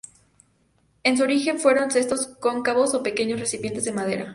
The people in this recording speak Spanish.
En su origen fueron cestos cóncavos o pequeños recipientes de madera.